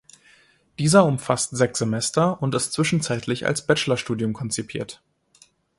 Dieser umfasst sechs Semester und ist zwischenzeitlich als Bachelor-Studium konzipiert.